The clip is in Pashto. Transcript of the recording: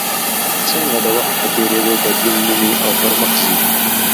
څنګه د وخت په تېرېدو بدلون مومي او پرمخ ځي.